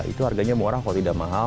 itu harganya murah kalau tidak mahal